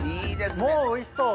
もうおいしそう。